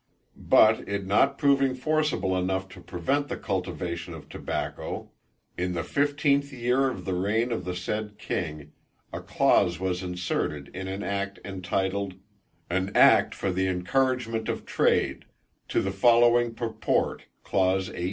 But it not proving forcible enough to prevent the cultivation of tobacco; in the fifteenth year of the reign of the said King, a clause was inserted in an act, entitled, "An act for the encouragement of trade," to the following purport, clause 18.